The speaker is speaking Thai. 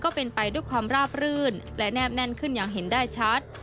เป็นไปด้วยความราบรื่นและแนบแน่นขึ้นอย่างเห็นได้ชัด